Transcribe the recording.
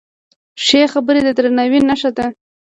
ښې خبرې د درناوي نښه ده.